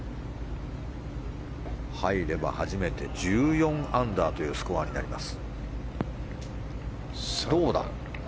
入れば、初めて１４アンダーというスコアになります。